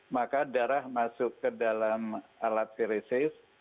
maka darah masuk ke dalam alat feresis